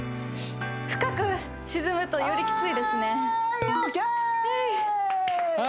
深く沈むとよりキツいですねはーい